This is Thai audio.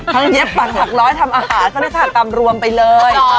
ถ้าเย็บปัดผักร้อยทำอาหารก็ได้ผ่านตามรวมไปเลย